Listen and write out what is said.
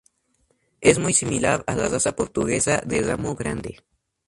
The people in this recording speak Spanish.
Es muy similar a la raza portuguesa de Ramo Grande.